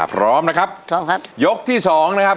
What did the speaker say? พร้อมนะครับยกที่สองนะครับ